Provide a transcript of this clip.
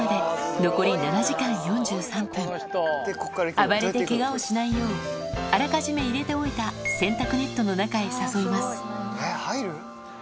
暴れてケガをしないようあらかじめ入れておいた洗濯ネットの中へ誘いますえっ入る？